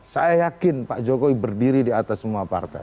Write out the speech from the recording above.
saya yakin pak jokowi berdiri di atas semua partai